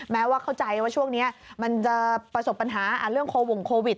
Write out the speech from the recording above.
แม้ว่าเข้าใจว่าช่วงนี้มันจะประสบปัญหาเรื่องโควงโควิด